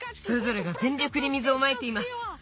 それぞれがぜん力で水をまいています。